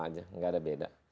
aja nggak ada beda